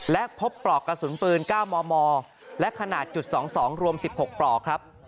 และพบปลอกกระสุนปืน๙มมและขนาดจุด๒๒รวม๑๖ปลอกครับ